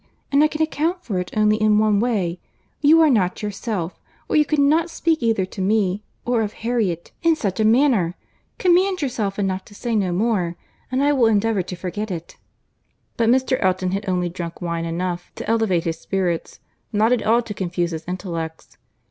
and I can account for it only in one way; you are not yourself, or you could not speak either to me, or of Harriet, in such a manner. Command yourself enough to say no more, and I will endeavour to forget it." But Mr. Elton had only drunk wine enough to elevate his spirits, not at all to confuse his intellects.